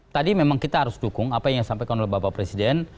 tadi memang kita harus dukung apa yang disampaikan oleh bapak presiden